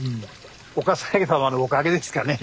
お笠置様のおかげですかね。